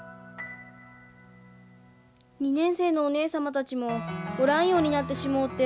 ２年生のおねえ様たちもおらんようになってしもうて。